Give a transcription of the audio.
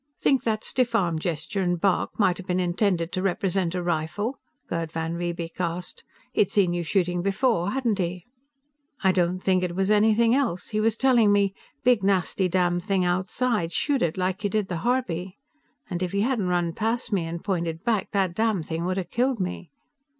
"Think that stiff arm gesture and bark might have been intended to represent a rifle?" Gerd van Riebeek asked. "He'd seen you shooting before, hadn't he?" "I don't think it was anything else. He was telling me, 'Big nasty damnthing outside; shoot it like you did the harpy.' And if he hadn't run past me and pointed back, that damnthing would have killed me."